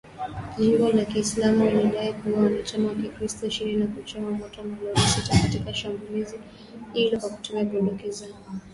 jimbo la kiislamu ilidai kuua wanachama wakikristo ishirini na kuchoma moto malori sita katika shambulizi hilo kwa kutumia bunduki za rashasha na kurejea bila kuumia.